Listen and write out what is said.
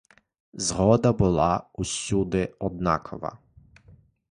Згода була всюди однакова.